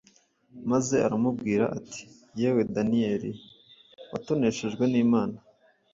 maze aramubwira ati: “Yewe Daniyeli watoneshejwe n’Imana,